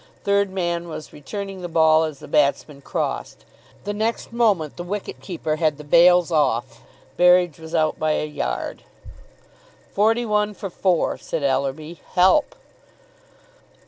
Third man was returning the ball as the batsmen crossed. The next moment the wicket keeper had the bails off. Berridge was out by a yard. "Forty one for four," said Ellerby. "Help!"